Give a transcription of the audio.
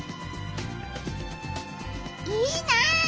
いいなあ！